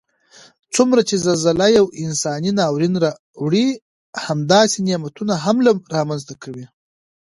څومره چې زلزله یو انساني ناورین راوړي همداسې نعمتونه هم رامنځته کړي